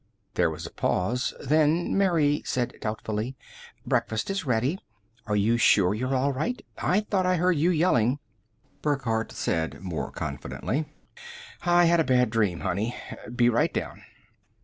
There was a pause. Then Mary said doubtfully, "Breakfast is ready. Are you sure you're all right? I thought I heard you yelling " Burckhardt said more confidently, "I had a bad dream, honey. Be right down."